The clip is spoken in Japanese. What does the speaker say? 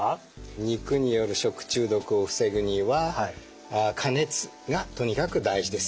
肉による食中毒を防ぐには加熱がとにかく大事です。